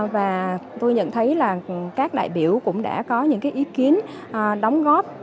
và tôi nhận thấy là các đại biểu cũng đã có những ý kiến đóng góp